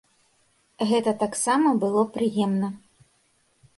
Гэта таксама было прыемна.